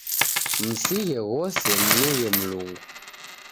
Msighe ghose, mnughe Mlungu.